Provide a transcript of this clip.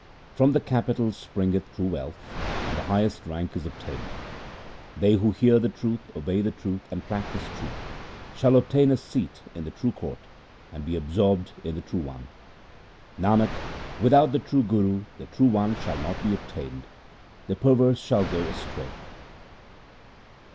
From the capital springeth true wealth, and the highest rank is obtained. They who hear the truth, obey the truth, and practise truth, Shall obtain a seat in the True court, and be absorbed in the True One. Nanak, without the true Guru the True One shall not be obtained ; the perverse shall go astray.